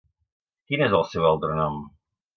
Quin és el seu altre nom?